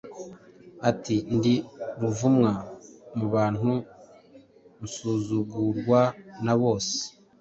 ati, “... Ndi ruvumwa mu bantu, nsuzugurwa na bose.